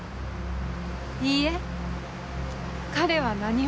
いいえ彼は何も。